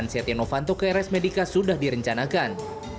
setia novanto ke rs medica sudah direncanakan